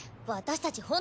私たち